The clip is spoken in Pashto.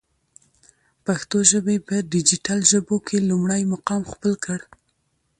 پښتو ژبی په ډيجيټل ژبو کی لمړی مقام خپل کړ.